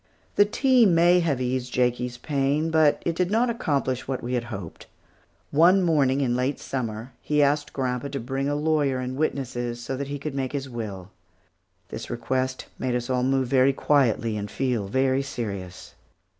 The tea may have eased Jakie's pain, but it did not accomplish what we had hoped. One morning late in Summer, he asked grandpa to bring a lawyer and witnesses so that he could make his will. This request made us all move about very quietly and feel very serious.